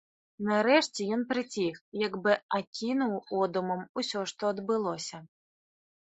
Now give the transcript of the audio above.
Нарэшце ён прыціх, як бы акінуў одумам усё, што адбылося.